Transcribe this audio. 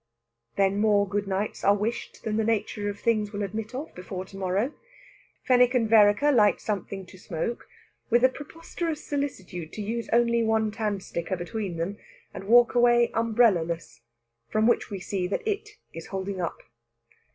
Then more good nights are wished than the nature of things will admit of before to morrow, Fenwick and Vereker light something to smoke, with a preposterous solicitude to use only one tandsticker between them, and walk away umbrella less. From which we see that "it" is holding up.